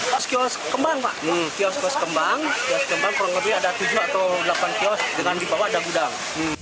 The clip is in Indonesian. kios kios kembang kurang lebih ada tujuh atau delapan kios dengan di bawah ada gudang